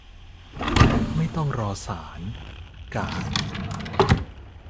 ไม่ต้องรอศาล กาก